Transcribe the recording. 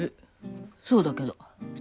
そうだけど。